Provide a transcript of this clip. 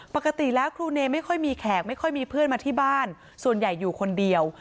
ปกติแล้วครูเนไม่ค่อยมีแขกไม่ค่อยมีเพื่อนมาที่บ้านส่วนใหญ่อยู่คนเดียว